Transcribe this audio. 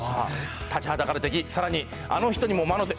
立ちはだかる敵、さらに、あの人にも魔の手。